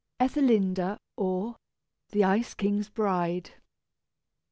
ETHELINDA; OR, THE ICE KING'S BRIDE.